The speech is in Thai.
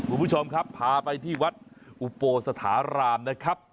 คุณผู้ชมครับพาไปที่วัดอุโปสถารามนะครับ